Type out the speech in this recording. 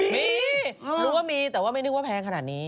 มีรู้ว่ามีแต่ว่าไม่นึกว่าแพงขนาดนี้